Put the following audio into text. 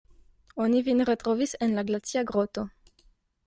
Oni vin retrovis en la glacia groto.